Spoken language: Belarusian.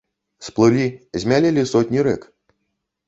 Сплылі, змялелі сотні рэк.